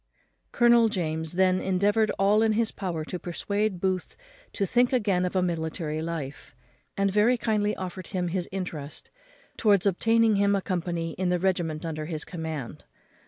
Colonel James then endeavoured all in his power to persuade Booth to think again of a military life, and very kindly offered him his interest towards obtaining him a company in the regiment under his command.